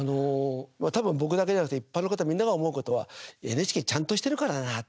多分僕だけじゃなくて一般の方みんなが思うことはＮＨＫちゃんとしてるからなと。